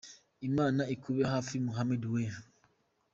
imana ikube hafi Muhammed we ".